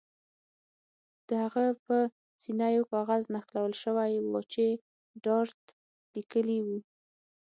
د هغه په سینه یو کاغذ نښلول شوی و چې ډارت لیکلي وو